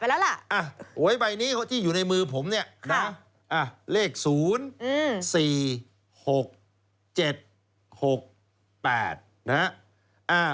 อ่ะโหยใบนี้ที่อยู่ในมือผมเนี่ยเลข๐๔๖๗๖๘นะฮะ